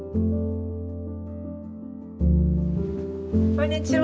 こんにちは。